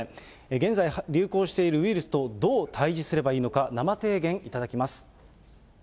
現在、流行しているウイルスとどう対じすればいいのか、生提言いただき